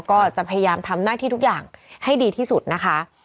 ก็จะพยายามทำหน้าที่ทุกอย่างให้ดีที่สุดนะคะ